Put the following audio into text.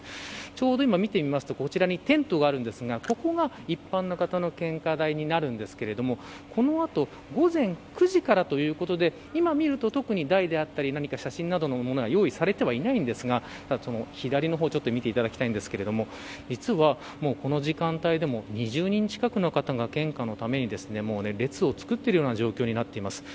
ちょうど今、見てみますとこちらにテントがあるんですがこちらが一般の方の献花台になるんですけれどもこの後午前９時からということで今、見ると特に台であったり何か写真などのものは用意されてはいないんですがその左の方を見ていただきたいんですが実はもうこの時間帯でも２０人近くの方が献花のために、列を作っているような状況になっています。